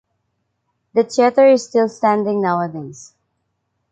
The theater is still standing nowadays.